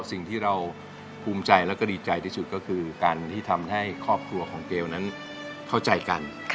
สิ่งที่เราภูมิใจแล้วก็ดีใจที่สุดก็คือการที่ทำให้ครอบครัวของเกลนั้นเข้าใจกัน